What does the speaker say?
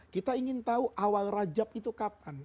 kita ingin tahu awal rajab itu kapan